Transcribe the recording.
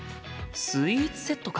スイーツセットか。